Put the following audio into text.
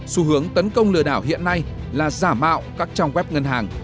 xu hướng tấn công lừa đảo hiện nay là giả mạo các trang web ngân hàng